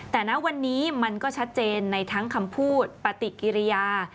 แต่ณวันนี้มันก็ชัดเจนในทั้งคำพูดปฏิกิริยา